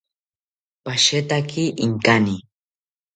Pashetaki inkani